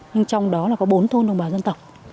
nhưng trong đó là có bốn thôn đồng bào dân tộc